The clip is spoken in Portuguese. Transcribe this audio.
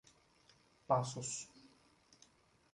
Passos